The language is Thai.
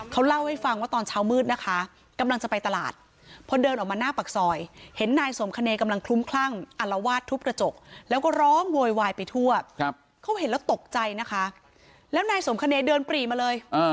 ไปทั่วครับเขาเห็นแล้วตกใจนะคะแล้วนายสมคเนธเดินปรีมาเลย